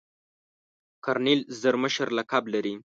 کرنیل زر مشر لقب لري.